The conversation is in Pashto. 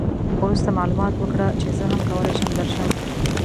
وروسته معلومات وکړه چې زه هم کولای شم درشم.